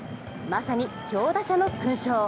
まさに強打者の勲章。